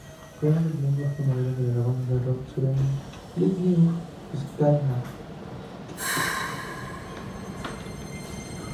Fue uno de los miembros fundadores de la banda de rock sureño Lynyrd Skynyrd.